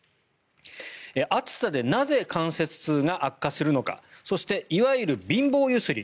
暑さでなぜ関節痛が悪化するのかそして、いわゆる貧乏揺すり